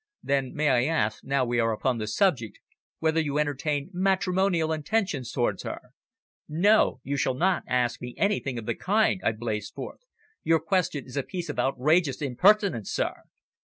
"Then may I ask, now we are upon the subject, whether you entertain matrimonial intentions towards her?" "No, you shall not ask me anything of the kind," I blazed forth. "Your question is a piece of outrageous impertinence, sir."